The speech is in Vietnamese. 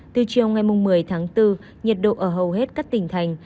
từ chiều ngày một mươi tháng bốn nhiệt độ ở hầu hết các tỉnh thành